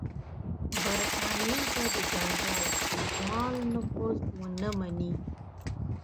برټانیه به د جنرال کوفمان نفوذ ونه مني.